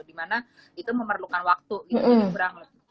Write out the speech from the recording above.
dimana itu memerlukan waktu jadi kurang